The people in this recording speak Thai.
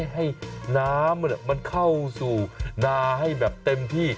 ให้น้ำมันเข้าสู่นาให้แบบเต็มที่